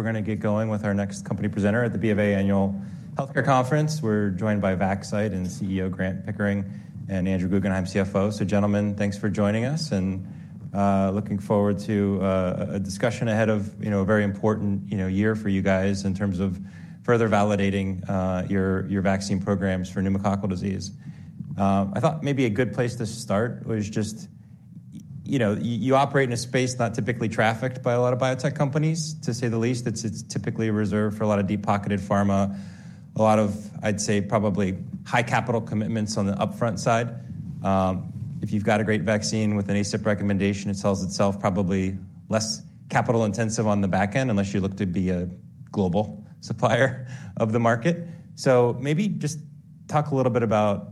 We're going to get going with our next company presenter at the BofA Annual Health Care Conference. We're joined by Vaxcyte and CEO Grant Pickering and Andrew Guggenhime, CFO. So, gentlemen, thanks for joining us. Looking forward to a discussion ahead of a very important year for you guys in terms of further validating your vaccine programs for pneumococcal disease. I thought maybe a good place to start was just you operate in a space not typically trafficked by a lot of biotech companies, to say the least. It's typically reserved for a lot of deep-pocketed pharma, a lot of, I'd say, probably high-capital commitments on the upfront side. If you've got a great vaccine with an ACIP recommendation, it sells itself, probably less capital-intensive on the back end, unless you look to be a global supplier of the market. So maybe just talk a little bit about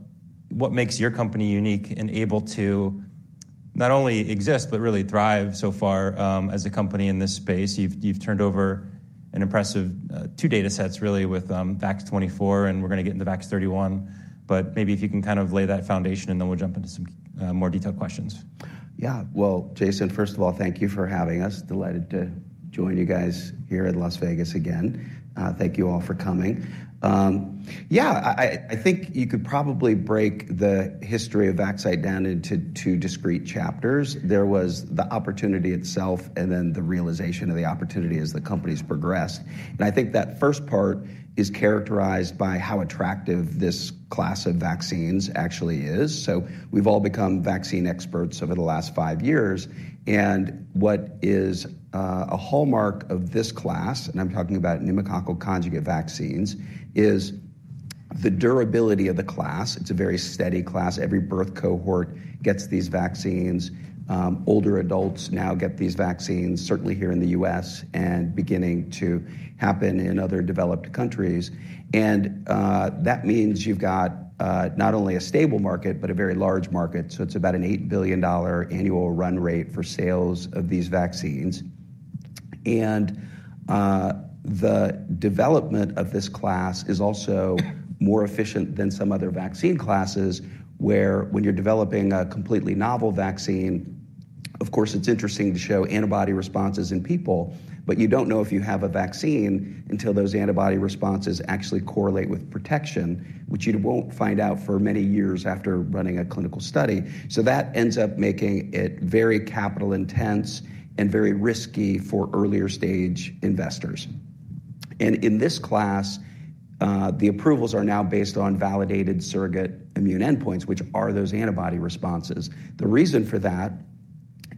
what makes your company unique and able to not only exist, but really thrive so far as a company in this space. You've turned over two data sets, really, with Vax24, and we're going to get into Vax31. But maybe if you can kind of lay that foundation, and then we'll jump into some more detailed questions. Yeah. Well, Jason, first of all, thank you for having us. Delighted to join you guys here in Las Vegas again. Thank you all for coming. Yeah, I think you could probably break the history of Vaxcyte down into two discrete chapters. There was the opportunity itself, and then the realization of the opportunity as the companies progressed. I think that first part is characterized by how attractive this class of vaccines actually is. So we've all become vaccine experts over the last five years. And what is a hallmark of this class, and I'm talking about pneumococcal conjugate vaccines, is the durability of the class. It's a very steady class. Every birth cohort gets these vaccines. Older adults now get these vaccines, certainly here in the U.S. and beginning to happen in other developed countries. That means you've got not only a stable market, but a very large market. So it's about an $8 billion annual run rate for sales of these vaccines. And the development of this class is also more efficient than some other vaccine classes, where when you're developing a completely novel vaccine, of course, it's interesting to show antibody responses in people. But you don't know if you have a vaccine until those antibody responses actually correlate with protection, which you won't find out for many years after running a clinical study. So that ends up making it very capital-intense and very risky for earlier-stage investors. And in this class, the approvals are now based on validated surrogate immune endpoints, which are those antibody responses. The reason for that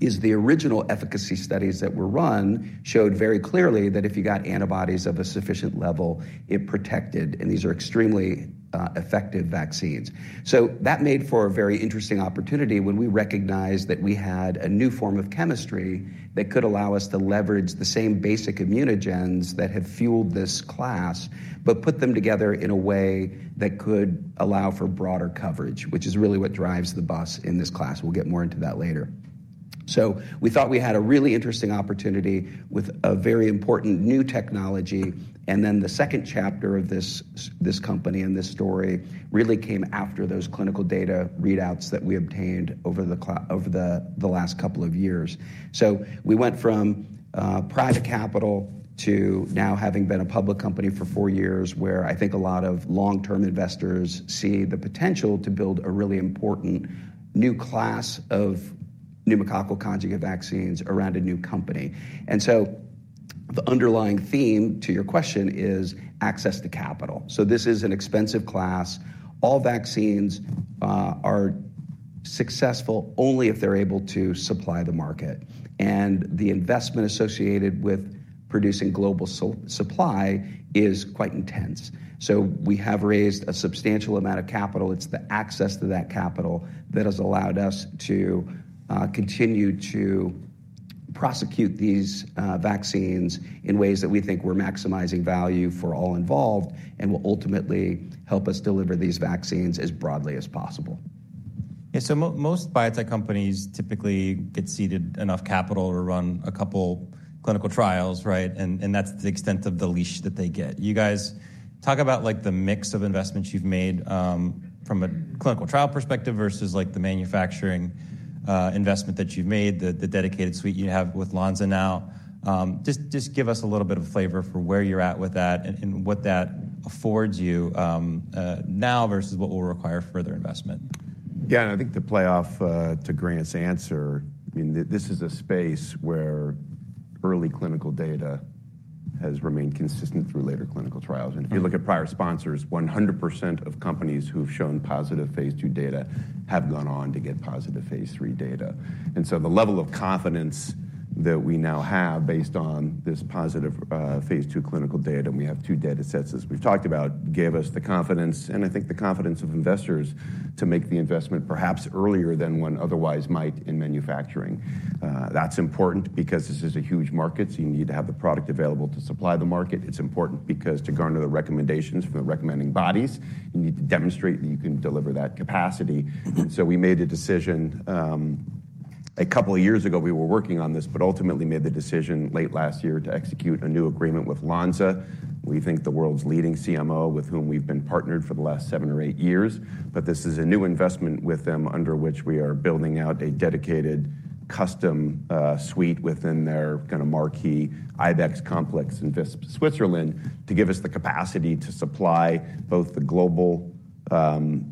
is the original efficacy studies that were run showed very clearly that if you got antibodies of a sufficient level, it protected. These are extremely effective vaccines. That made for a very interesting opportunity when we recognized that we had a new form of chemistry that could allow us to leverage the same basic immunogens that have fueled this class, but put them together in a way that could allow for broader coverage, which is really what drives the bus in this class. We'll get more into that later. We thought we had a really interesting opportunity with a very important new technology. The second chapter of this company and this story really came after those clinical data readouts that we obtained over the last couple of years. So we went from private capital to now having been a public company for four years, where I think a lot of long-term investors see the potential to build a really important new class of pneumococcal conjugate vaccines around a new company. And so the underlying theme to your question is access to capital. So this is an expensive class. All vaccines are successful only if they're able to supply the market. The investment associated with producing global supply is quite intense. So we have raised a substantial amount of capital. It's the access to that capital that has allowed us to continue to prosecute these vaccines in ways that we think we're maximizing value for all involved and will ultimately help us deliver these vaccines as broadly as possible. Yeah. So most biotech companies typically get seeded enough capital to run a couple clinical trials, right? And that's the extent of the leash that they get. You guys talk about the mix of investments you've made from a clinical trial perspective versus the manufacturing investment that you've made, the dedicated suite you have with Lonza now. Just give us a little bit of flavor for where you're at with that and what that affords you now versus what will require further investment. Yeah. And I think to play off to Grant's answer, I mean, this is a space where early clinical data has remained consistent through later clinical trials. And if you look at prior sponsors, 100% of companies who've shown positive phase II data have gone on to get positive phase III data. And so the level of confidence that we now have based on this positive phase II clinical data, and we have two data sets as we've talked about, gave us the confidence, and I think the confidence of investors, to make the investment perhaps earlier than one otherwise might in manufacturing. That's important because this is a huge market. So you need to have the product available to supply the market. It's important because to garner the recommendations from the recommending bodies, you need to demonstrate that you can deliver that capacity. We made a decision a couple of years ago. We were working on this, but ultimately made the decision late last year to execute a new agreement with Lonza, we think the world's leading CMO with whom we've been partnered for the last seven or eight years. This is a new investment with them under which we are building out a dedicated custom suite within their kind of marquee Ibex complex in Switzerland to give us the capacity to supply both the global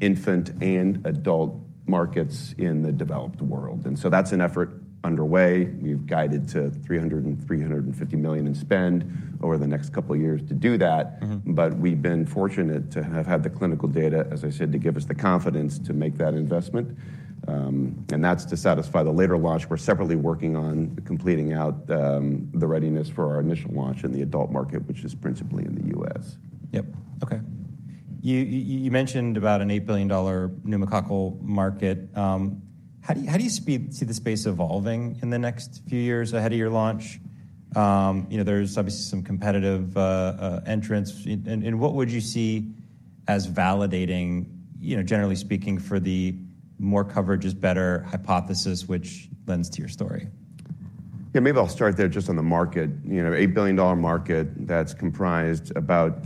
infant and adult markets in the developed world. That's an effort underway. We've guided to $300 million-$350 million in spend over the next couple of years to do that. We've been fortunate to have had the clinical data, as I said, to give us the confidence to make that investment. That's to satisfy the later launch. We're separatel working on completing out the readiness for our initial launch in the adult market, which is principally in the U.S. Yep. OK. You mentioned about an $8 billion pneumococcal market. How do you see the space evolving in the next few years ahead of your launch? There's obviously some competitive entrance. And what would you see as validating, generally speaking, for the more coverage is better hypothesis, which lends to your story? Yeah. Maybe I'll start there just on the market. $8 billion market. That's comprised about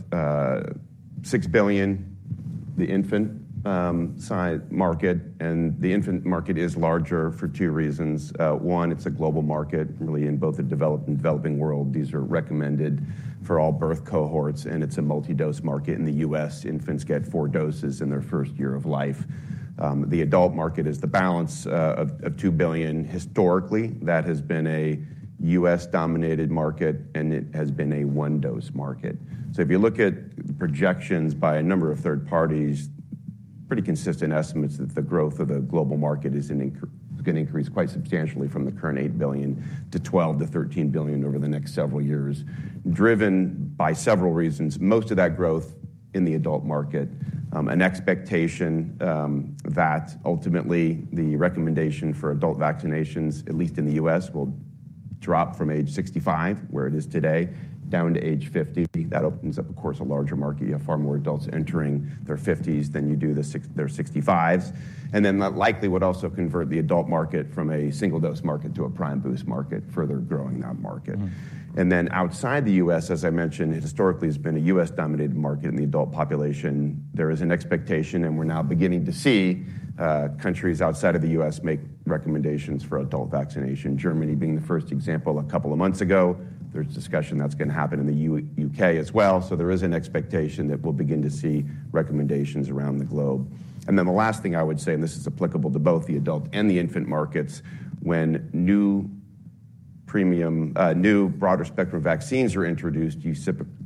$6 billion, the infant market. And the infant market is larger for two reasons. One, it's a global market, really, in both the developed and developing world. These are recommended for all birth cohorts. And it's a multidose market. In the U.S., infants get four doses in their first year of life. The adult market is the balance of $2 billion. Historically, that has been a U.S.-dominated market, and it has been a one-dose market. So if you look at projections by a number of third parties, pretty consistent estimates that the growth of the global market is going to increase quite substantially from the current $8 billion to $12 billion to $13 billion over the next several years, driven by several reasons. Most of that growth in the adult market, an expectation that ultimately the recommendation for adult vaccinations, at least in the U.S., will drop from age 65, where it is today, down to age 50. That opens up, of course, a larger market. You have far more adults entering their 50s than you do their 65s. And then that likely would also convert the adult market from a single-dose market to a prime-boost market, further growing that market. Then outside the U.S., as I mentioned, historically it's been a U.S.-dominated market in the adult population. There is an expectation, and we're now beginning to see countries outside of the U.S. make recommendations for adult vaccination, Germany being the first example a couple of months ago. There's discussion that's going to happen in the U.K. as well. So there is an expectation that we'll begin to see recommendations around the globe. And then the last thing I would say, and this is applicable to both the adult and the infant markets, when new broader spectrum vaccines are introduced, you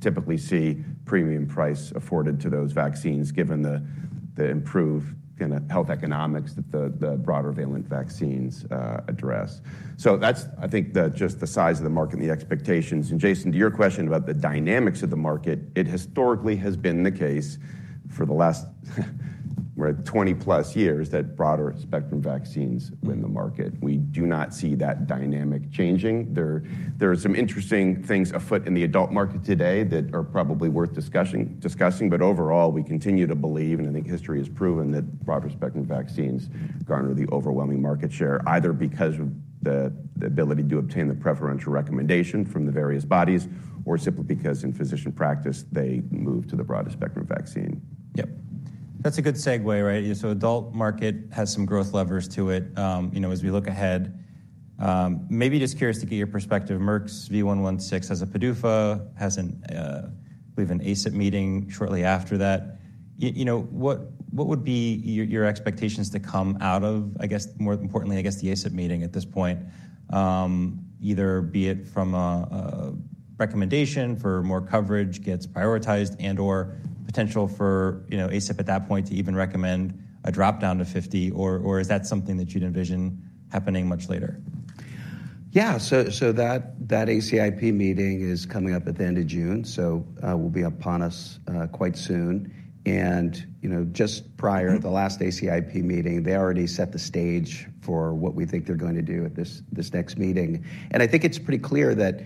typically see premium price afforded to those vaccines, given the improved kind of health economics that the broader valent vaccines address. So that's, I think, just the size of the market and the expectations. And Jason, to your question about the dynamics of the market, it historically has been the case for the last 20+ years that broader spectrum vaccines win the market. We do not see that dynamic changing. There are some interesting things afoot in the adult market today that are probably worth discussing. But overall, we continue to believe, and I think history has proven, that broader spectrum vaccines garner the overwhelming market share, either because of the ability to obtain the preferential recommendation from the various bodies or simply because in physician practice they move to the broader spectrum vaccine. Yep. That's a good segment, right? So adult market has some growth levers to it as we look ahead. Maybe just curious to get your perspective. Merck's V116 has a PDUFA, has an, I believe, an ACIP meeting shortly after that. What would be your expectations to come out of, I guess more importantly, I guess, the ACIP meeting at this point, either be it from a recommendation for more coverage gets prioritized and/or potential for ACIP at that point to even recommend a drop down to 50, or is that something that you'd envision happening much later? Yeah. So that ACIP meeting is coming up at the end of June. So it will be upon us quite soon. And just prior, the last ACIP meeting, they already set the stage for what we think they're going to do at this next meeting. And I think it's pretty clear that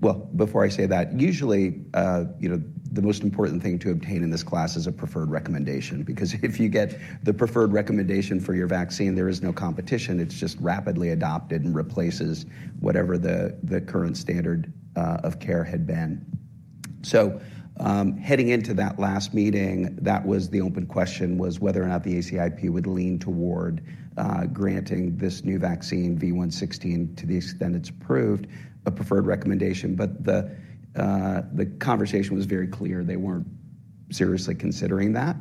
well, before I say that, usually the most important thing to obtain in this class is a preferred recommendation. Because if you get the preferred recommendation for your vaccine, there is no competition. It's just rapidly adopted and replaces whatever the current standard of care had been. Heading into that last meeting, the open question was whether or not the ACIP would lean toward granting this new vaccine, V116, to the extent it's approved, a preferred recommendation. But the conversation was very clear. They weren't seriously considering that.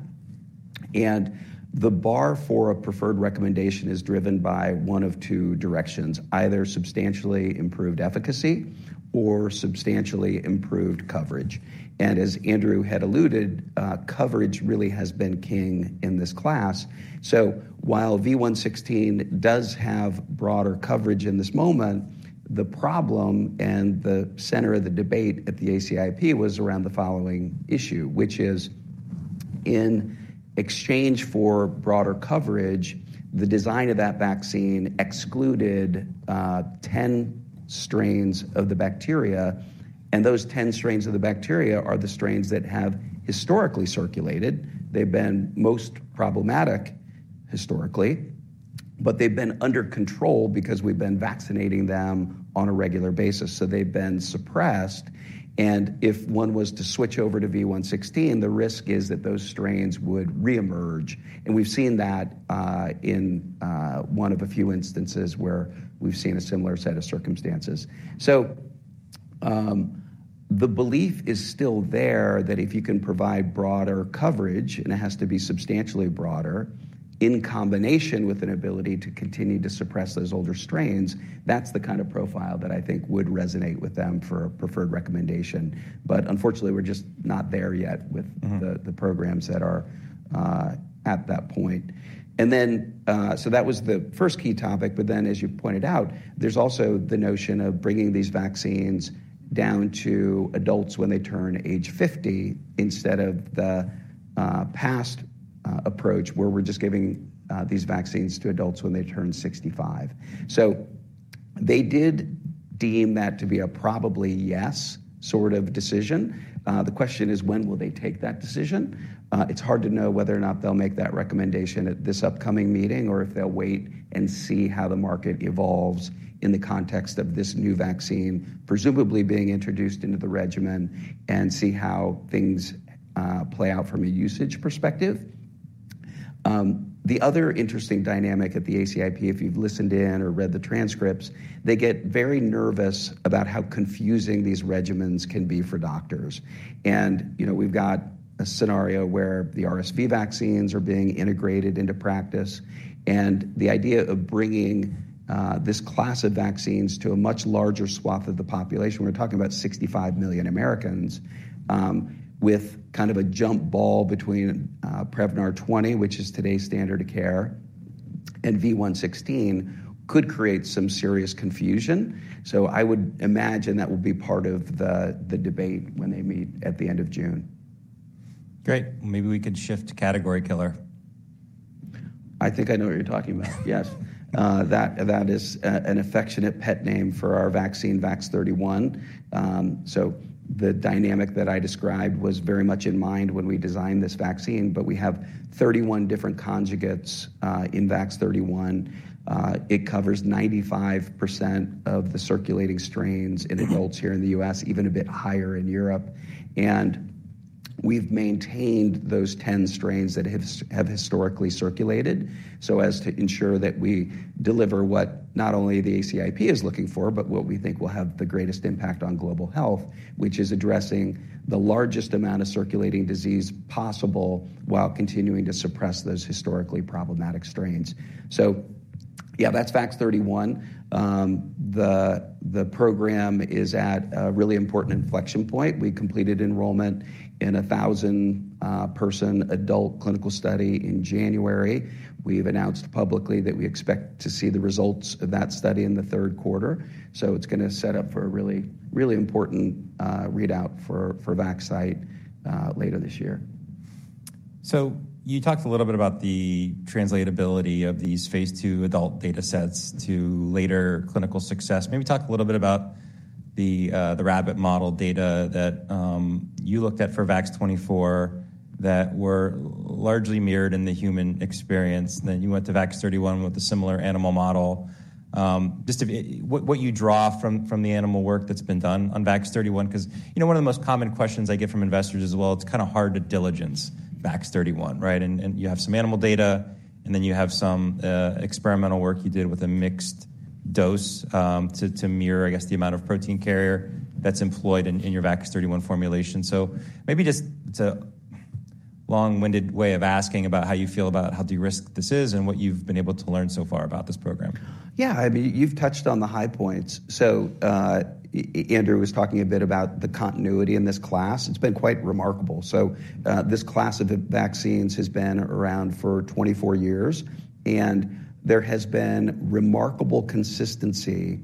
The bar for a preferred recommendation is driven by one of two directions, either substantially improved efficacy or substantially improved coverage. As Andrew had alluded, coverage really has been king in this class. So while V116 does have broader coverage in this moment, the problem and the center of the debate at the ACIP was around the following issue, which is, in exchange for broader coverage, the design of that vaccine excluded 10 strains of the bacteria. Those 10 strains of the bacteria are the strains that have historically circulated. They've been most problematic historically. But they've been under control because we've been vaccinating them on a regular basis. So they've been suppressed. If one was to switch over to V116, the risk is that those strains would reemerge. We've seen that in one of a few instances where we've seen a similar set of circumstances. So the belief is still there that if you can provide broader coverage, and it has to be substantially broader, in combination with an ability to continue to suppress those older strains, that's the kind of profile that I think would resonate with them for a preferred recommendation. But unfortunately, we're just not there yet with the programs that are at that point. And then so that was the first key topic. But then, as you pointed out, there's also the notion of bringing these vaccines down to adults when they turn age 50 instead of the past approach where we're just giving these vaccines to adults when they turn 65. So they did deem that to be a probably yes sort of decision. The question is, when will they take that decision? It's hard to know whether or not they'll make that recommendation at this upcoming meeting or if they'll wait and see how the market evolves in the context of this new vaccine presumably being introduced into the regimen and see how things play out from a usage perspective. The other interesting dynamic at the ACIP, if you've listened in or read the transcripts, they get very nervous about how confusing these regimens can be for doctors. We've got a scenario where the RSV vaccines are being integrated into practice. The idea of bringing this class of vaccines to a much larger swath of the population, we're talking about 65 million Americans, with kind of a jump ball between Prevnar 20, which is today's standard of care, and V116 could create some serious confusion. I would imagine that will be part of the debate when they meet at the end of June. Great. Maybe we could shift to Category Killer. I think I know what you're talking about. Yes. That is an affectionate pet name for our vaccine, Vax31. So the dynamic that I described was very much in mind when we designed this vaccine. But we have 31 different conjugates in Vax31. It covers 95% of the circulating strains in adults here in the U.S., even a bit higher in Europe. We've maintained those 10 strains that have historically circulated. So as to ensure that we deliver what not only the ACIP is looking for but what we think will have the greatest impact on global health, which is addressing the largest amount of circulating disease possible while continuing to suppress those historically problematic strains. So yeah, that's Vax31. The program is at a really important inflection point. We completed enrollment in a 1,000-person adult clinical study in January. We've announced publicly that we expect to see the results of that study in the third quarter. So it's going to set up for a really, really important readout for Vaxcyte later this year. You talked a little bit about the translatability of these phase II adult data sets to later clinical success. Maybe talk a little bit about the rabbit model data that you looked at for Vax24 that were largely mirrored in the human experience. Then you went to Vax31 with a similar animal model. Just what you draw from the animal work that's been done on Vax31? Because one of the most common questions I get from investors as well, it's kind of hard to diligence Vax31, right? And you have some animal data, and then you have some experimental work you did with a mixed dose to mirror, I guess, the amount of protein carrier that's employed in your Vax31 formulation. Maybe just it's a long-winded way of asking about how you feel about how de-risked this is and what you've been able to learn so far about this program. Yeah. I mean, you've touched on the high points. So Andrew was talking a bit about the continuity in this class. It's been quite remarkable. So this class of vaccines has been around for 24 years. And there has been remarkable consistency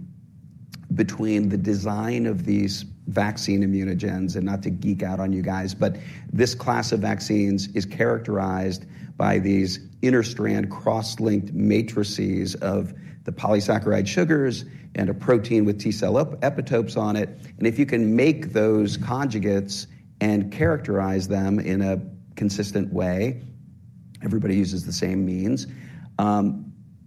between the design of these vaccine immunogens and not to geek out on you guys. But this class of vaccines is characterized by these inter-strand cross-linked matrices of the polysaccharide sugars and a protein with T-cell epitopes on it. And if you can make those conjugates and characterize them in a consistent way everybody uses the same means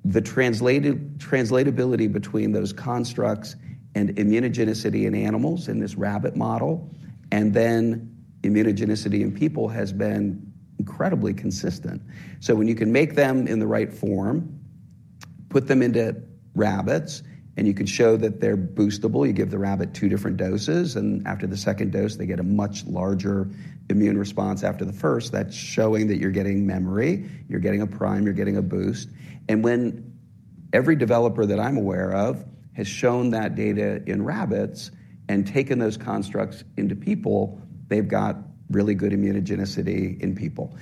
the translatability between those constructs and immunogenicity in animals in this rabbit model and then immunogenicity in people has been incredibly consistent. When you can make them in the right form, put them into rabbits, and you can show that they're boostable, you give the rabbit two different doses, and after the second dose, they get a much larger immune response after the first, that's showing that you're getting memory, you're getting a prime, you're getting a boost. And when every developer that I'm aware of has shown that data in rabbits and taken those constructs into people, they've got really good immunogenicity in people.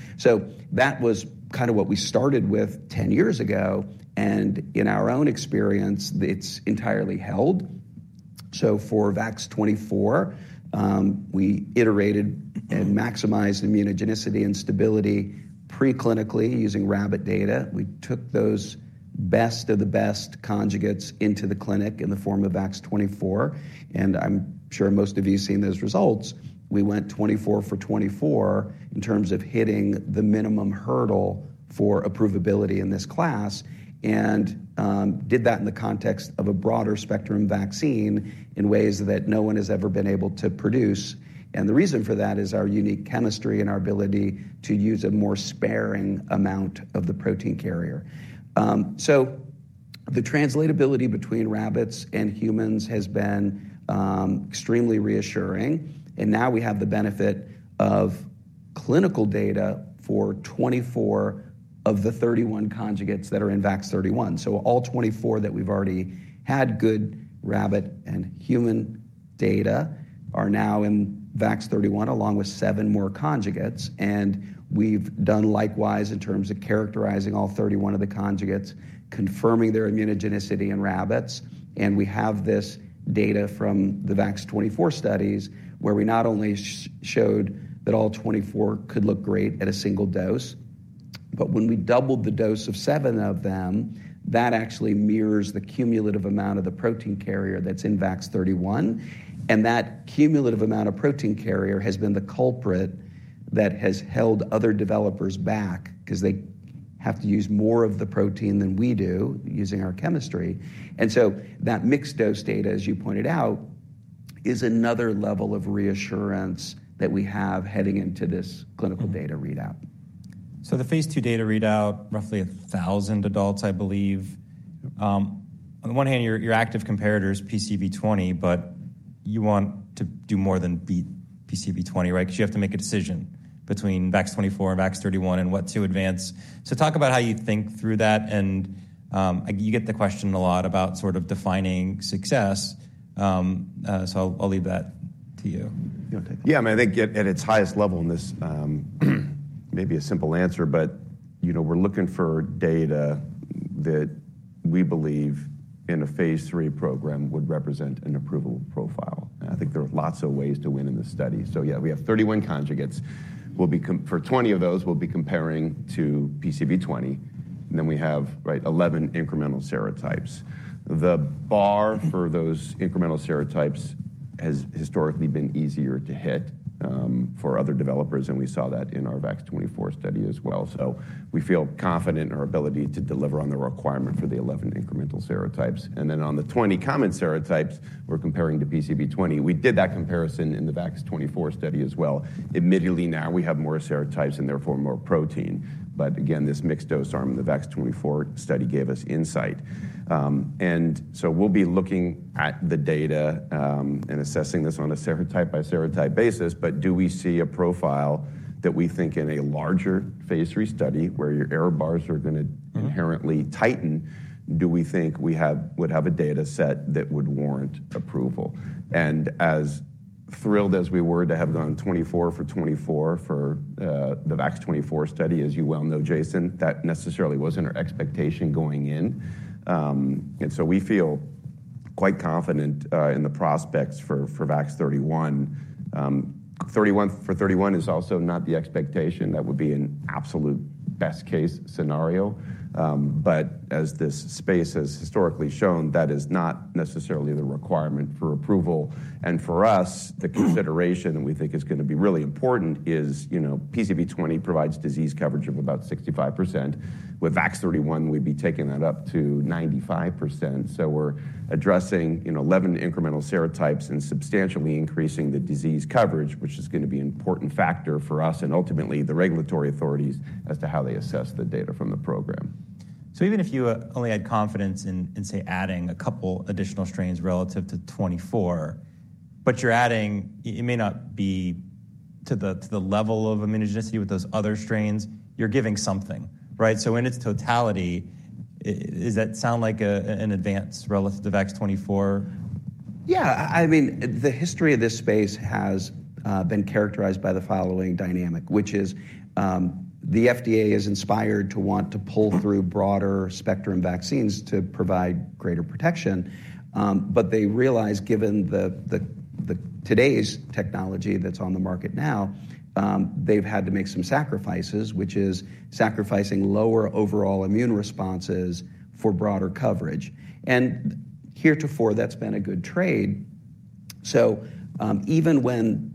That was kind of what we started with 10 years ago. And in our own experience, it's entirely held. So for Vax24, we iterated and maximized immunogenicity and stability preclinically using rabbit data. We took those best of the best conjugates into the clinic in the form of Vax24. And I'm sure most of you have seen those results. We went 24 for 24 in terms of hitting the minimum hurdle for approvability in this class and did that in the context of a broader spectrum vaccine in ways that no one has ever been able to produce. And the reason for that is our unique chemistry and our ability to use a more sparing amount of the protein carrier. So the translatability between rabbits and humans has been extremely reassuring. And now we have the benefit of clinical data for 24 of the 31 conjugates that are in Vax31. So all 24 that we've already had good rabbit and human data are now in Vax31 along with 7 more conjugates. And we've done likewise in terms of characterizing all 31 of the conjugates, confirming their immunogenicity in rabbits. We have this data from the Vax24 studies where we not only showed that all 24 could look great at a single dose, but when we doubled the dose of seven of them, that actually mirrors the cumulative amount of the protein carrier that's in Vax31. That cumulative amount of protein carrier has been the culprit that has held other developers back because they have to use more of the protein than we do using our chemistry. That mixed dose data, as you pointed out, is another level of reassurance that we have heading into this clinical data readout. The phase II data readout, roughly 1,000 adults, I believe. On the one hand, your active comparator is PCV20, but you want to do more than beat PCV20, right? Because you have to make a decision between Vax24 and Vax31 and what to advance. Talk about how you think through that. You get the question a lot about sort of defining success. I'll leave that to you. Yeah. I mean, I think at its highest level, this may be a simple answer, but we're looking for data that we believe in a phase III program would represent an approval profile. And I think there are lots of ways to win in this study. So yeah, we have 31 conjugates. For 20 of those, we'll be comparing to PCV20. And then we have 11 incremental serotypes. The bar for those incremental serotypes has historically been easier to hit for other developers. And we saw that in our Vax24 study as well. So we feel confident in our ability to deliver on the requirement for the 11 incremental serotypes. And then on the 20 common serotypes, we're comparing to PCV20. We did that comparison in the Vax24 study as well. Admittedly, now we have more serotypes and therefore more protein. But again, this mixed dose arm in the Vax24 study gave us insight. And so we'll be looking at the data and assessing this on a serotype-by-serotype basis. But do we see a profile that we think in a larger phase III study where your error bars are going to inherently tighten, do we think we would have a data set that would warrant approval. And as thrilled as we were to have gone 24 for 24 for the Vax24 study, as you well know, Jason, that necessarily wasn't our expectation going in. So we feel quite confident in the prospects for Vax31. For 31, it's also not the expectation. That would be an absolute best-case scenario. But as this space has historically shown, that is not necessarily the requirement for approval. For us, the consideration that we think is going to be really important is PCV20 provides disease coverage of about 65%. With Vax31, we'd be taking that up to 95%. So we're addressing 11 incremental serotypes and substantially increasing the disease coverage, which is going to be an important factor for us and ultimately the regulatory authorities as to how they assess the data from the program. So even if you only had confidence in, say, adding a couple additional strains relative to 24, but you're adding it may not be to the level of immunogenicity with those other strains, you're giving something, right? So in its totality, does that sound like an advance relative to Vax24? Yeah. I mean, the history of this space has been characterized by the following dynamic, which is the FDA is inspired to want to pull through broader spectrum vaccines to provide greater protection. But they realize, given today's technology that's on the market now, they've had to make some sacrifices, which is sacrificing lower overall immune responses for broader coverage. And heretofore, that's been a good trade. So even when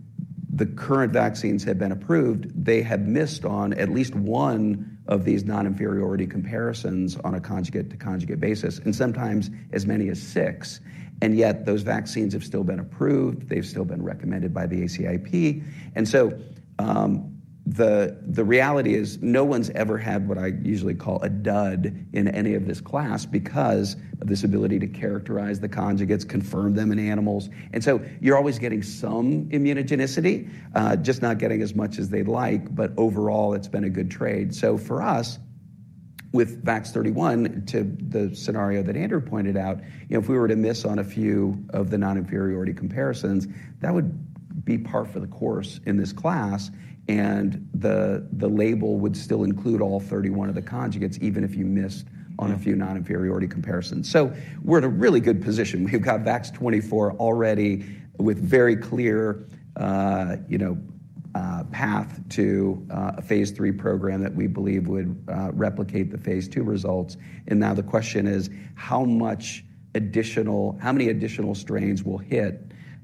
the current vaccines had been approved, they had missed on at least one of these non-inferiority comparisons on a conjugate-to-conjugate basis, and sometimes as many as six. And yet those vaccines have still been approved. They've still been recommended by the ACIP. And so the reality is no one's ever had what I usually call a dud in any of this class because of this ability to characterize the conjugates, confirm them in animals. So you're always getting some immunogenicity, just not getting as much as they'd like. Overall, it's been a good trade. For us, with Vax31 to the scenario that Andrew pointed out, if we were to miss on a few of the non-inferiority comparisons, that would be par for the course in this class. The label would still include all 31 of the conjugates even if you missed on a few non-inferiority comparisons. We're in a really good position. We've got Vax24 already with a very clear path to a phase III program that we believe would replicate the phase II results. Now the question is, how many additional strains will hit?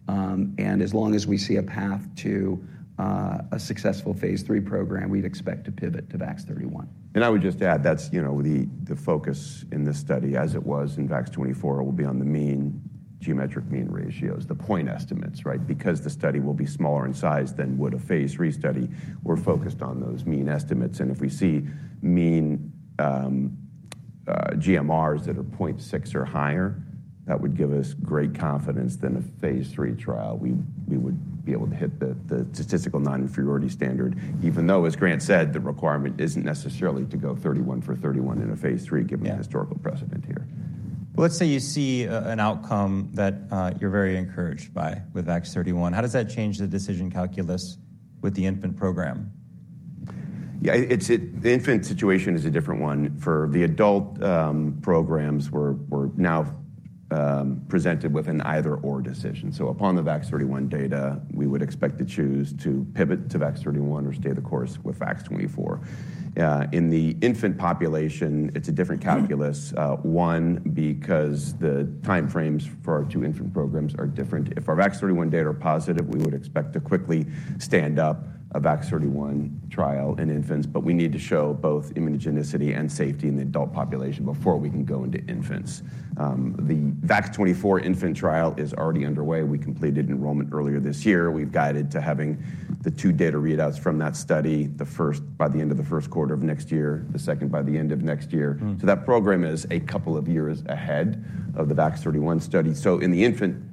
As long as we see a path to a successful phase III program, we'd expect to pivot to Vax31. I would just add that's the focus in this study. As it was in Vax24, it will be on the mean, geometric mean ratios, the point estimates, right? Because the study will be smaller in size than would a phase III study, we're focused on those mean estimates. And if we see mean GMRs that are 0.6 or higher, that would give us great confidence. Then a phase III trial, we would be able to hit the statistical non-inferiority standard, even though, as Grant said, the requirement isn't necessarily to go 31 for 31 in a phase III given the historical precedent here. Well, let's say you see an outcome that you're very encouraged by with Vax31. How does that change the decision calculus with the infant program? Yeah. The infant situation is a different one. For the adult programs, we're now presented with an either/or decision. So upon the Vax31 data, we would expect to choose to pivot to Vax31 or stay the course with Vax24. In the infant population, it's a different calculus. One, because the time frames for our two infant programs are different. If our Vax31 data are positive, we would expect to quickly stand up a Vax31 trial in infants. But we need to show both immunogenicity and safety in the adult population before we can go into infants. The Vax24 infant trial is already underway. We completed enrollment earlier this year. We've guided to having the two data readouts from that study, the first by the end of the first quarter of next year, the second by the end of next year. So that program is a couple of years ahead of the Vax31 study. So in the infant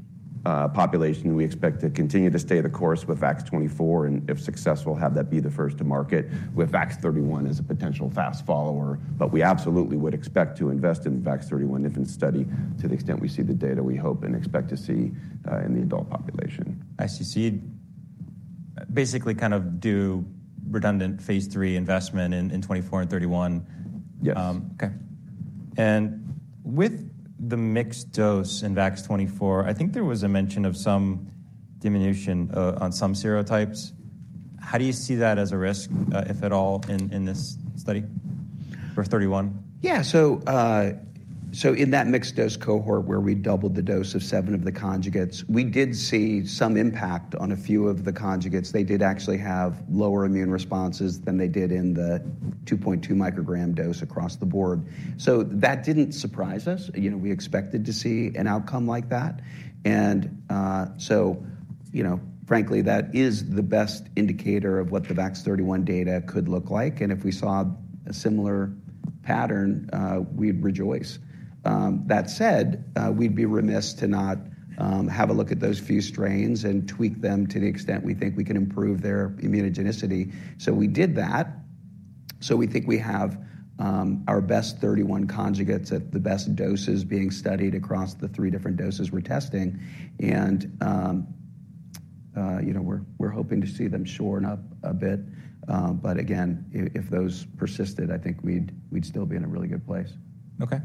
population, we expect to continue to stay the course with Vax24 and, if successful, have that be the first to market with Vax31 as a potential fast follower. But we absolutely would expect to invest in the Vax31 infant study to the extent we see the data, we hope, and expect to see in the adult population. I see. So you'd basically kind of do redundant phase III investment in 24 and 31? Yes. Okay. With the mixed dose in Vax24, I think there was a mention of some diminution on some serotypes. How do you see that as a risk, if at all, in this study for 31? Yeah. So in that mixed dose cohort where we doubled the dose of seven of the conjugates, we did see some impact on a few of the conjugates. They did actually have lower immune responses than they did in the 2.2 microgram dose across the board. So that didn't surprise us. We expected to see an outcome like that. Frankly, that is the best indicator of what the Vax31 data could look like. And if we saw a similar pattern, we'd rejoice. That said, we'd be remiss to not have a look at those few strains and tweak them to the extent we think we can improve their immunogenicity. So we did that. So we think we have our best 31 conjugates at the best doses being studied across the three different doses we're testing. And we're hoping to see them shore up a bit. But again, if those persisted, I think we'd still be in a really good place. Okay.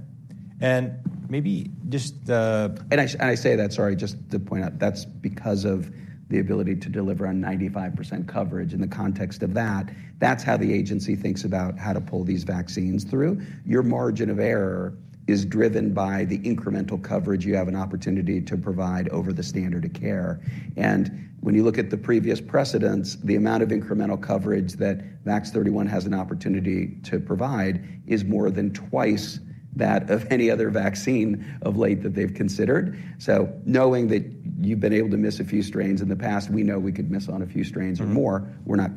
And maybe just the. And I say that, sorry, just to point out, that's because of the ability to deliver on 95% coverage. In the context of that, that's how the agency thinks about how to pull these vaccines through. Your margin of error is driven by the incremental coverage you have an opportunity to provide over the standard of care. And when you look at the previous precedence, the amount of incremental coverage that Vax31 has an opportunity to provide is more than twice that of any other vaccine of late that they've considered. So knowing that you've been able to miss a few strains in the past, we know we could miss on a few strains or more. We're not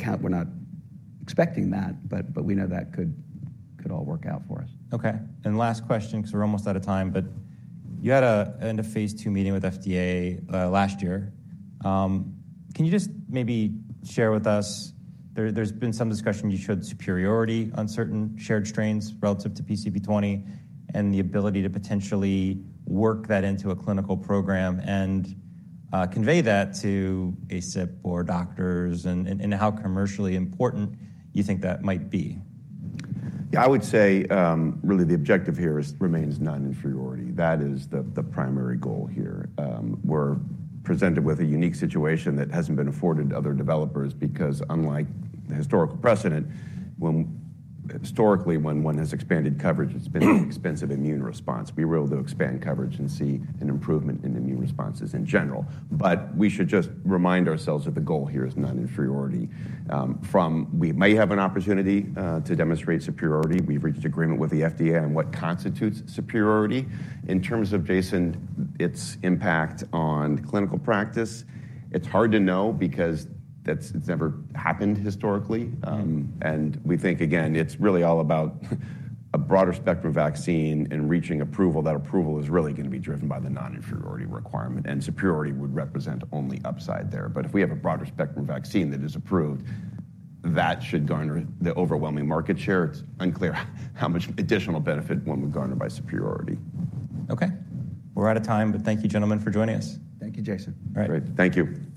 expecting that, but we know that could all work out for us. Okay. Last question because we're almost out of time. You had a phase II meeting with the FDA last year. Can you just maybe share with us? There's been some discussion you showed superiority on certain shared strains relative to PCV20 and the ability to potentially work that into a clinical program and convey that to ACIP or doctors and how commercially important you think that might be? Yeah. I would say really the objective here remains non-inferiority. That is the primary goal here. We're presented with a unique situation that hasn't been afforded to other developers because, unlike the historical precedent, historically, when one has expanded coverage, it's been an expensive immune response. We were able to expand coverage and see an improvement in immune responses in general. But we should just remind ourselves that the goal here is non-inferiority. We may have an opportunity to demonstrate superiority. We've reached agreement with the FDA on what constitutes superiority. In terms of, Jason, its impact on clinical practice, it's hard to know because it's never happened historically. And we think, again, it's really all about a broader spectrum vaccine and reaching approval. That approval is really going to be driven by the non-inferiority requirement. And superiority would represent only upside there. But if we have a broader spectrum vaccine that is approved, that should garner the overwhelming market share. It's unclear how much additional benefit one would garner by superiority. Okay. We're out of time. Thank you, gentlemen, for joining us. Thank you, Jason. All right. Great. Thank you.